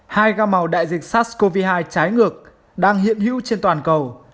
hai ga màu đại dịch sars cov hai trái ngược đang hiện hữu trên toàn cầu